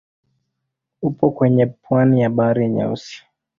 Upo kwenye pwani ya Bahari Nyeusi.